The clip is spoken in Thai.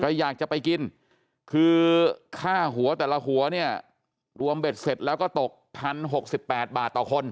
อยากจะไปกินคือค่าหัวแต่ละหัวเนี่ยรวมเบ็ดเสร็จแล้วก็ตก๑๐๖๘บาทต่อคน